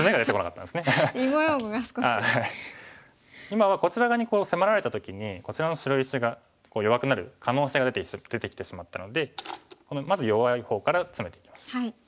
今はこちら側に迫られた時にこちらの白石が弱くなる可能性が出てきてしまったのでまず弱い方からツメていきましょう。